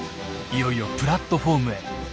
いよいよプラットホームへ。